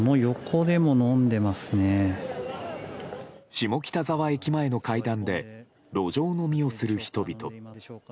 下北沢駅前の階段で路上飲みをする人々。